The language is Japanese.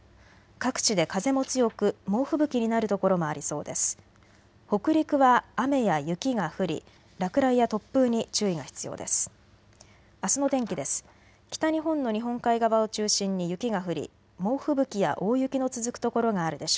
各地で風も強く猛吹雪になる所もありそうです。